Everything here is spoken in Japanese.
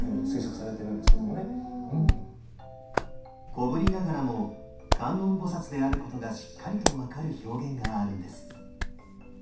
小ぶりながらも観音菩であることがしっかりと分かる表現があるんです。